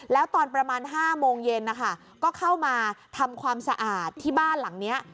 แล้วตอนประมาณ๕โมงเย็นนะคะก็เข้ามาทำความสะอาดที่บ้านหลังนี้